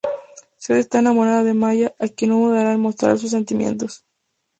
Zed está enamorado de Maya a quien no dudará en mostrar sus sentimientos.